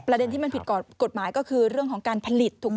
ประเด็นที่มันผิดกฎหมายก็คือเรื่องของการผลิตถูกไหม